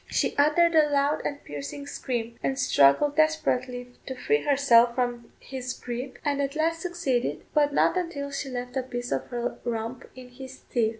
She uttered a loud and piercing scream, and struggled desperately to free herself from his gripe, and at last succeeded, but not until she left a piece of her rump in his teeth.